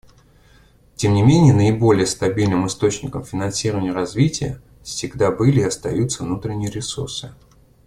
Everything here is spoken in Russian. Тем не менее наиболее стабильным источником финансирования развития всегда были и остаются внутренние ресурсы.